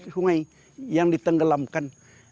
sungai yang ditenggelamkan